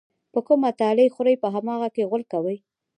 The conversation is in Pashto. په کومه تالې خوري، په هماغه کې غول کوي.